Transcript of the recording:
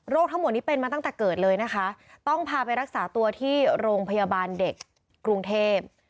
ทั้งหมดนี้เป็นมาตั้งแต่เกิดเลยนะคะต้องพาไปรักษาตัวที่โรงพยาบาลเด็กกรุงเทพ